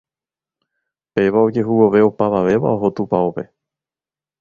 Péva ojehu vove opavavéva oho tupãópe